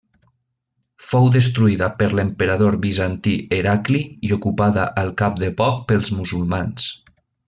Fou destruïda per l'emperador bizantí Heracli i ocupada al cap de poc pels musulmans.